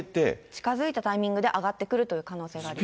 近づいたタイミングで上がってくるという可能性があります。